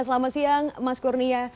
selamat siang mas kurnia